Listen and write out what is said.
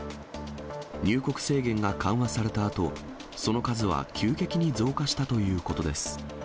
入国制限が緩和されたあと、その数は急激に増加したということです。